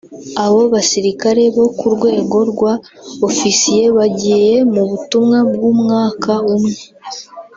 Aba basirikare bo ku rwego rwa ofisiye bagiye mu butumwa bw’umwaka umwe